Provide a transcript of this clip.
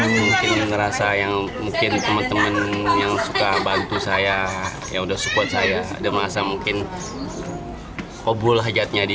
mungkin ngerasa yang mungkin teman teman yang suka bantu saya yang udah support saya dia merasa mungkin obol hajatnya dia